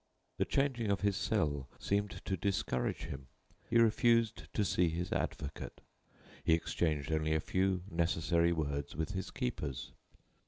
The changing of his cell seemed to discourage him. He refused to see his advocate. He exchanged only a few necessary words with his keepers.